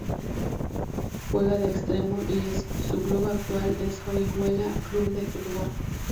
Juega de extremo y su club actual es el Orihuela Club de Fútbol.